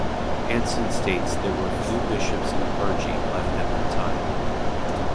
Anson states there were "few bishops and clergy" left at the time.